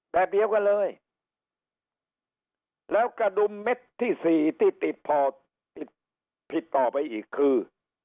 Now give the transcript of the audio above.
แบบเดียวกันเลยแล้วกระดุมเม็ดที่สี่ที่ติดพอติดผิดต่อไปอีกคือ